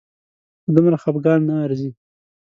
په دومره خپګان نه ارزي